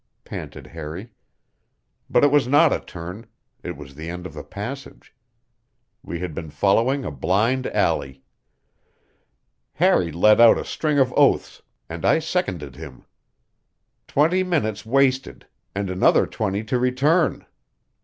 panted Harry. But it was not a turn. It was the end of the passage. We had been following a blind alley. Harry let out a string of oaths, and I seconded him. Twenty minutes wasted, and another twenty to return!